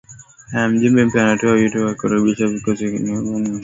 Mjumbe mpya anatoa wito wa kurekebishwa kikosi cha kulinda amani cha Umoja wa Mataifa .